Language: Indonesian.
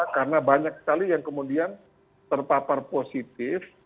karena banyak sekali yang kemudian terpapar positif